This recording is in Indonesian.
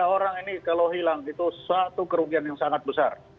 tiga orang ini kalau hilang itu satu kerugian yang sangat besar